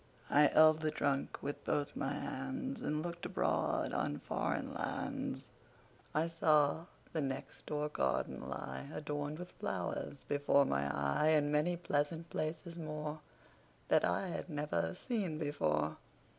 I held the trunk with both my handsAnd looked abroad on foreign lands.I saw the next door garden lie, Adorned with flowers, before my eye, And many pleasant places moreThat I had never seen before.